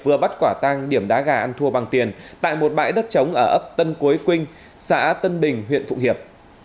vừa bắt quả tang điểm đá gà ăn thua bằng tiền tại một bãi đất trống ở ấp tân cuối quynh xã tân bình huyện phụng hiệp